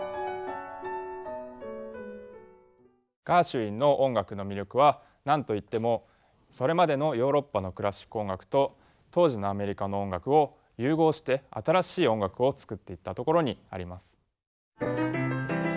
ガーシュウィンの音楽の魅力は何と言ってもそれまでのヨーロッパのクラシック音楽と当時のアメリカの音楽を融合して新しい音楽を作っていったところにあります。